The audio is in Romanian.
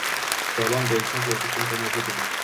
Să luăm, de exemplu, eficiența energetică.